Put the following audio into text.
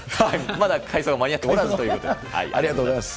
まだ改装が間に合っておらずありがとうございます。